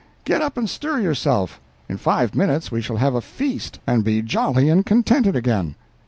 Get up and stir yourself; in five minutes we shall have a feast and be jolly and contented again!"